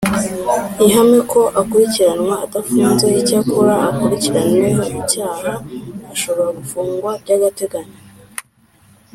ihame ko akurikiranwa adafunze Icyakora ukurikiranyweho icyaha ashobora gufungwa by agateganyo